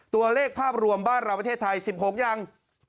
ภาพรวมบ้านเราประเทศไทย๑๖ยัง